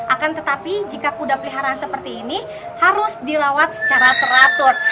akan tetapi jika kuda peliharaan seperti ini harus dirawat secara teratur